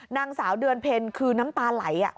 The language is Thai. นางสาวเดือนเพ็ญคือน้ำตาไหล